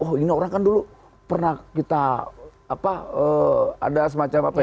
oh ini orang kan dulu pernah kita apa ada semacam apa ya